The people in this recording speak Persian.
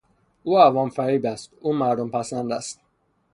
او عوام فریب است، او مردم پسند است.